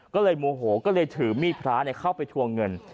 ก็เลยโมโหก็เลยถือมีดพระเข้าไปทวงเงิน